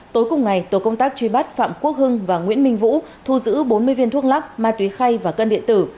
tối cùng ngày tổ công tác truy bắt phạm quốc hưng và nguyễn minh vũ thu giữ bốn mươi viên thuốc lắc ma túy khay và cân điện tử